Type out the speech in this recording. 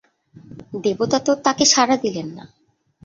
দেবতা তো তাকে সাড়া দিলেন না।